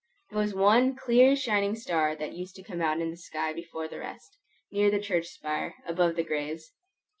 There was one clear shining star that used to come out in the sky before the rest, near the church spire, above the graves.